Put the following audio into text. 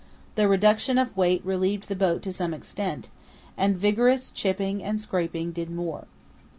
The reduction of weight relieved the boat to some extent, and vigorous chipping and scraping did more.